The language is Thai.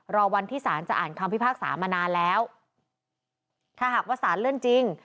รอวันที่สารจะอ่านคำพิพากษามานานแล้วถ้าหากว่าสารเลื่อนจริง